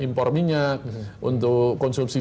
impor minyak untuk konsumsi